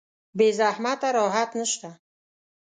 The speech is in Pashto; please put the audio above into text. بې زحمته راحت نشته.